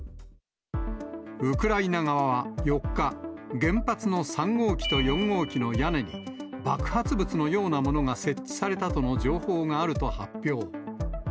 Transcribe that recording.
ウクライナ側は４日、原発の３号機と４号機の屋根に、爆発物のようなものが設置されたとの情報があると発表。